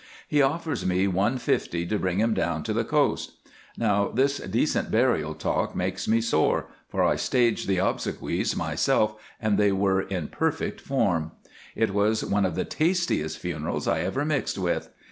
He offers me one fifty to bring him down to the coast. Now, this decent burial talk makes me sore, for I staged the obsequies myself, and they were in perfect form. It was one of the tastiest funerals I ever mixed with.